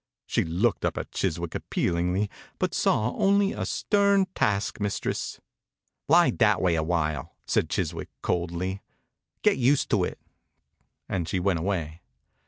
She looked up at Chiswick appealingly but saw only a stern taskmistress. "Lie that way a while," said Chiswick coldly. « Get used to it," and she went away.